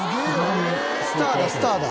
スターだスターだ！